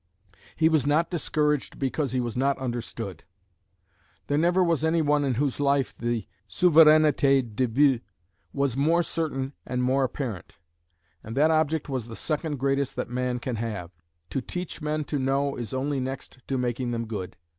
He was not discouraged because he was not understood. There never was any one in whose life the "Souveraineté du but" was more certain and more apparent; and that object was the second greatest that man can have. To teach men to know is only next to making them good.